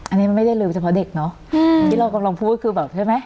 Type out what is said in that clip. อันนี้มันไม่ได้เร็วเฉพาะเด็กเนอะที่เรากำลังพูดคือแบบใช่ไหม